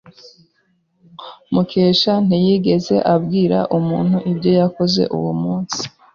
Mukesha ntiyigeze abwira umuntu ibyo yakoze uwo munsi.